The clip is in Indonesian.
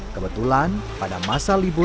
kebetulan pada masa liburan